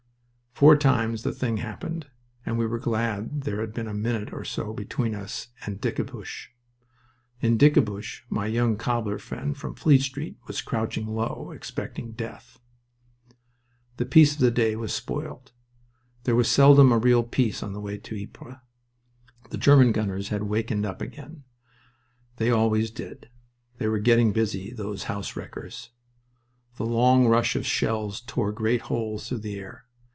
Four times the thing happened, and we were glad there had been a minute or so between us and Dickebusch. (In Dickebusch my young cobbler friend from Fleet Street was crouching low, expecting death.) The peace of the day was spoiled. There was seldom a real peace on the way to Ypres. The German gunners had wakened up again. They always did. They were getting busy, those house wreckers. The long rush of shells tore great holes through the air.